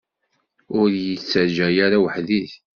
Ur iyi-ttaǧǧa ara weḥd-i!